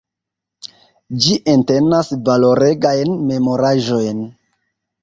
Ĝi entenas valoregajn memoraĵojn.